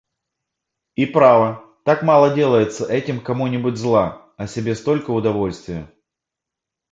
И право, так мало делается этим кому-нибудь зла, а себе столько удовольствия...